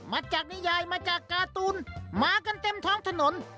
มาจากนิยายมาจากการ์ตูนมากันเต็มท้องถนน